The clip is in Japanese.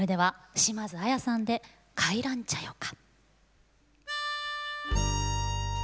島津亜矢さんで「帰らんちゃよか」。